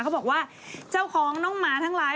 เขาบอกว่าเจ้าของน้องหมาทั้งหลาย